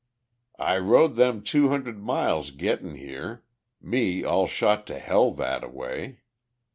"I rode them two hundred miles getting here, me all shot to hell that away.